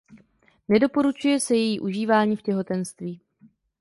Nedoporučuje se její užívání v těhotenství.